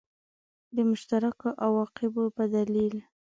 د مشترکو عواقبو په دلیل.